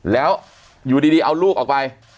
แต่ว่าพอ